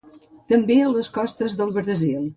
També a les costes del Brasil.